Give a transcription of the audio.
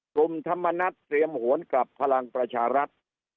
ธรรมนัฏเตรียมหวนกลับพลังประชารัฐ